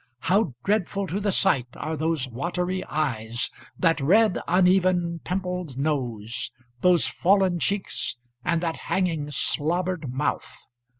How dreadful to the sight are those watery eyes; that red, uneven, pimpled nose; those fallen cheeks; and that hanging, slobbered mouth!